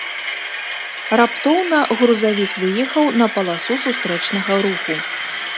Раптоўна грузавік выехаў на паласу сустрэчнага руху.